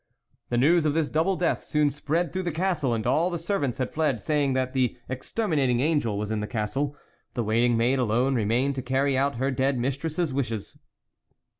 The news of this double death soon spread through the Castle, and all the servants had fled, saying that the exter minating Angel was in the Castle ; the waiting maid alone remained to carry out her dead mistress's wishes.